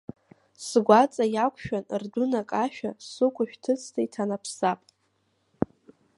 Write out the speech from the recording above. Сгәаҵа иақәшәан, рдәынак ашәа, сыкәа шәҭыцны иҭанапсап.